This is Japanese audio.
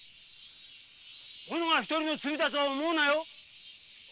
己が一人の罪だとは思うなよ！